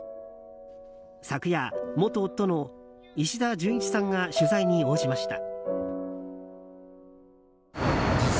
昨夜、元夫の石田純一さんが取材に応じました。